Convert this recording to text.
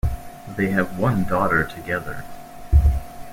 They have one daughter together.